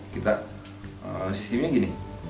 kita sistemnya gini